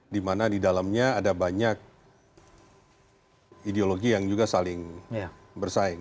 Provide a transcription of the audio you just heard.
dimana di dalamnya ada banyak ideologi yang juga saling bersaing